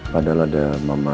padahal ada mama